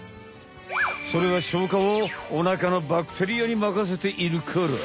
それは消化をおなかのバクテリアにまかせているから。